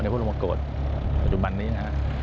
ในพระรมกฏปัจจุบันนี้นะฮะ